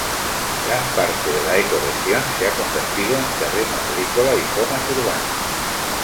Gran parte de la ecorregión se ha convertido en terreno agrícola y zonas urbanas.